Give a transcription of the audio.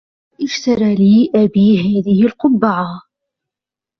اشترى لي أبي هذه القبعة.